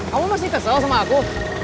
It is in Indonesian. kamu masih kesel sama aku